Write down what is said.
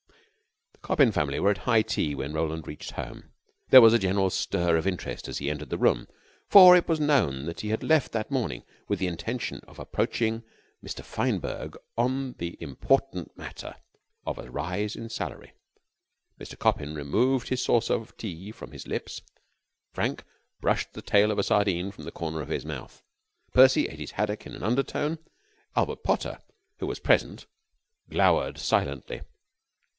The Coppin family were at high tea when Roland reached home. There was a general stir of interest as he entered the room, for it was known that he had left that morning with the intention of approaching Mr. Fineberg on the important matter of a rise in salary. Mr. Coppin removed his saucer of tea from his lips. Frank brushed the tail of a sardine from the corner of his mouth. Percy ate his haddock in an undertone. Albert Potter, who was present, glowered silently.